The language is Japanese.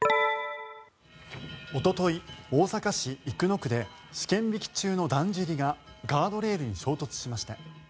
おととい、大阪市生野区で試験引き中のだんじりがガードレールに衝突しました。